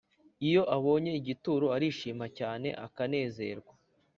Iyo abonye igituro Arishima cyane akanezerwa